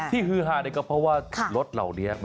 ฮือฮาก็เพราะว่ารถเหล่านี้